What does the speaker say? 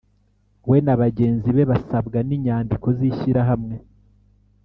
We na bagenzi be basabwa n’inyandiko z’ishyirahamwe